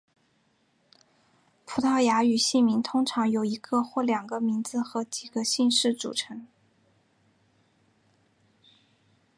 葡萄牙语姓名通常由一个或两个名字和几个姓氏组成。